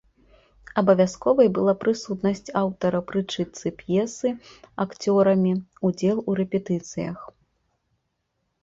Абавязковай была прысутнасць аўтара пры чытцы п'есы акцёрамі, удзел у рэпетыцыях.